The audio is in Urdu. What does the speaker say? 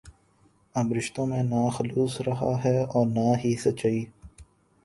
اب رشتوں میں نہ خلوص رہا ہے اور نہ ہی سچائی